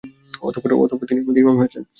অতঃপর তিনি আমাদের ইমাম হয়েছেন।